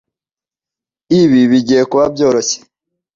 Ibi bigiye kuba byoroshye.